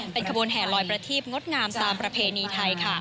เป็นขบวนแห่ลอยประทีบงดงามตามประเพณีไทยค่ะ